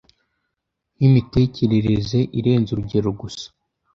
nk'imiterere irenze urugero gusa